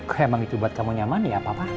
emang itu buat kamu nyaman ya papa